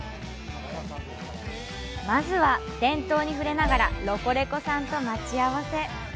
まずは、伝統に触れながらロコレコさんと待ち合わせ。